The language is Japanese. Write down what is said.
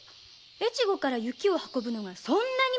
越後から雪を運ぶのがそんなに名誉なの？